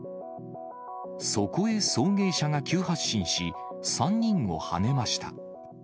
そこへ送迎車が急発進し、３人をはねました。